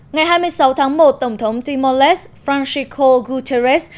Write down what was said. ngày hai mươi sáu tháng một tổng thống timor leste francico guterres